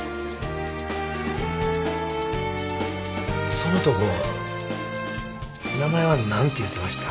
その男名前は何て言うてました？